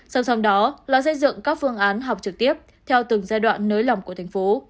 song song đó là xây dựng các phương án học trực tiếp theo từng giai đoạn nới lỏng của thành phố